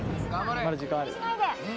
まだ時間ある。